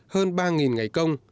hơn ba ngày công